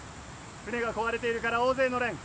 舟が壊れているから大勢乗れん。